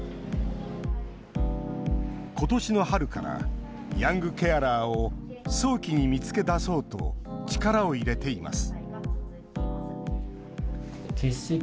ことしの春からヤングケアラーを早期に見つけ出そうと力を入れています